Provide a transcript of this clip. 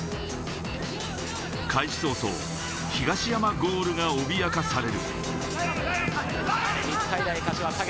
開始早々、東山ゴールが脅かされる。